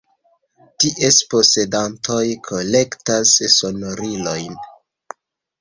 Ties posedantoj kolektas sonorilojn.